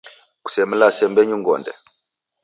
Kusemlase mbenyu ngonde!